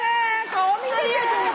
顔見せて！